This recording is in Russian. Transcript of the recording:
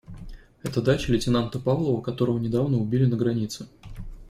Это дача лейтенанта Павлова, которого недавно убили на границе.